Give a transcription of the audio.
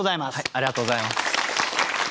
ありがとうございます。